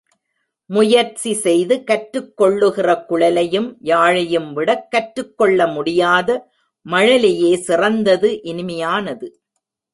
முயற்சி செய்து கற்றுக் கொள்ளுகிற குழலையும் யாழையும்விடக் கற்றுக் கொள்ள முடியாத மழலையே சிறந்தது இனிமையானது.